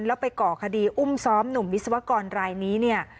แล้วไปก่อคดีอุ้มซ้อมหนุ่มวิศวกรรายนี้เนี่ย